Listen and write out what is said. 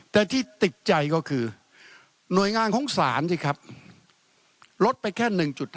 แต่ที่ติดใจก็คือหน่วยงานของศาลสิครับลดไปแค่๑๕